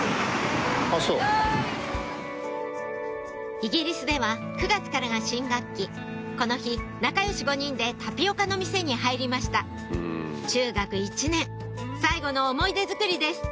イギリスでは９月からが新学期この日仲良し５人でタピオカの店に入りました中学１年最後の思い出づくりです